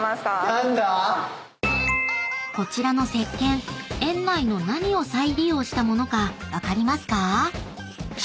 何だ⁉［こちらの石けん園内の何を再利用した物か分かりますか？］